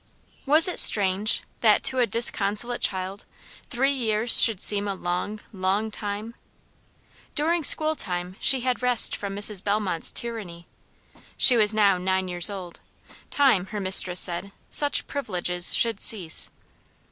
Was it strange that, to a disconsolate child, three years should seem a long, long time? During school time she had rest from Mrs. Bellmont's tyranny. She was now nine years old; time, her mistress said, such privileges should cease.